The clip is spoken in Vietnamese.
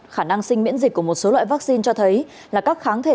khả năng sinh miễn dịch của một số loại vaccine cho thấy là các kháng thể